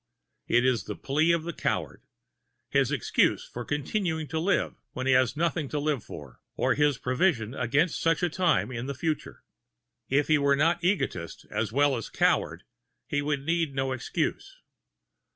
It is the plea of the coward his excuse for continuing to live when he has nothing to live for or his provision against such a time in the future. If he were not egotist as well as coward he would need no excuse.